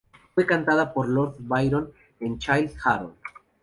Fue cantada por Lord Byron en su "Childe Harold".